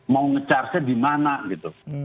mau nge charge nya di mana gitu